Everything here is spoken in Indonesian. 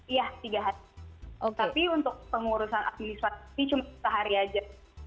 iya tiga hari tapi untuk pengurusan administrasi cuma sehari aja